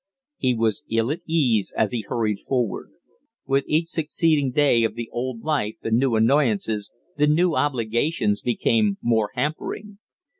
He was ill at case as he hurried forward. With each succeeding day of the old life the new annoyances, the new obligations became more hampering.